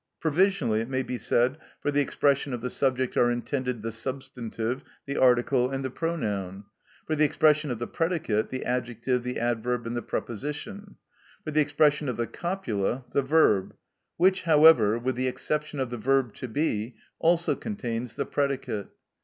Provisionally it may be said, for the expression of the subject are intended the substantive, the article, and the pronoun; for the expression of the predicate, the adjective, the adverb, and the preposition; for the expression of the copula, the verb, which, however, with the exception of the verb to be, also contains the predicate.